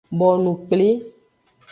Bonu kpli.